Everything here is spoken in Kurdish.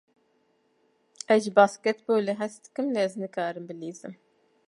Ez ji basketbolê hez dikim, lê ez nikarim bilîzim.